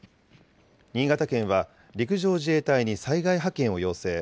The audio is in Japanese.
新潟県は陸上自衛隊に災害派遣を要請。